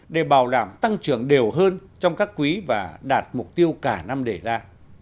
để bảo đảm tăng trưởng đều hơn trong các quý và đạt mục tiêu cả năm đề ra